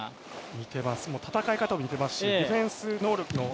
似てます、戦い方も似てますしディフェンス能力、